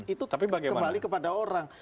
itu kembali kepada orang